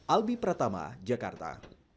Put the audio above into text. albi pratama jakarta